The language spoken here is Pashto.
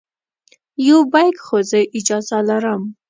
یو بیک خو زه اجازه لرم.